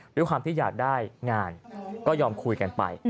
ด้วยความที่อยากได้งานก็ยอมคุยกันไป